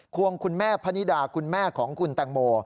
วงคุณแม่พนิดาคุณแม่ของคุณแตงโม